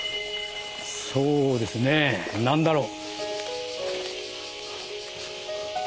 そうですね何だろう。